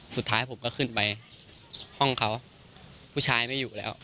สุดท้ายผมก็ขึ้นไปห้องเขาผู้ชายไม่อยู่แล้ว